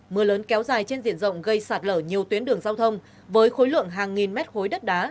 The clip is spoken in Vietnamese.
mưa lớn kéo dài trên diện rộng gây sạt lở nhiều tuyến đường giao thông với khối lượng hàng nghìn mét khối đất đá